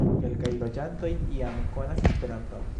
Kelkaj loĝantoj jam konas Esperanton.